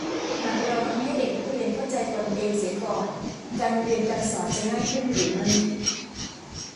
หากเราทำให้เด็กนักเรียนเข้าใจตนเองเสียก่อน การเรียนการสอนจะง่ายขึ้นหรือไม่